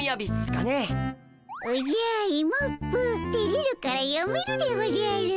おじゃイモップてれるからやめるでおじゃる。